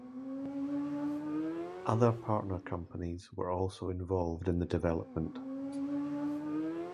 Other partner companies were also involved in the development.